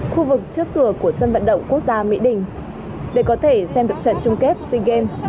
khu vực trước cửa của sân vận động quốc gia mỹ đình để có thể xem được trận chung kết sea games